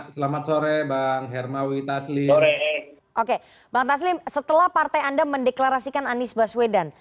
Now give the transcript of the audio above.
selamat sore bang hermawi taslim oke bang taslim setelah partai anda mendeklarasikan anies baswedan